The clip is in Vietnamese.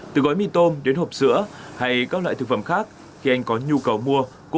từ gói mì tôm đến hộp sữa hay các loại thực phẩm khác khi anh có nhu cầu mua